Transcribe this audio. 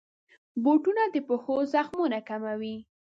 بوټونه د پښو زخمونه کموي.